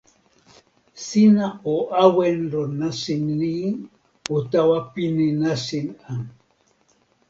sina o awen lon nasin ni o tawa pini nasin a.